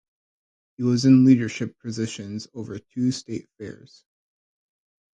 He was in leadership positions over two state fairs.